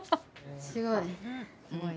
すごい。